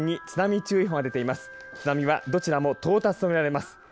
津波はどちらも到達とみられます。